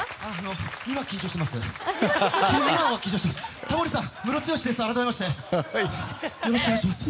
今、緊張してます。